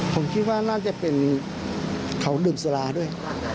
ผมคิดว่าน่าจะเป็นเขาดื่มสุราด้วย